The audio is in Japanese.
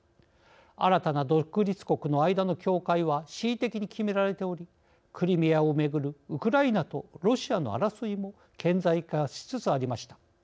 新たな独立国の間の境界はしい的に決められておりクリミアをめぐるウクライナとロシアの争いも顕在化しつつありました。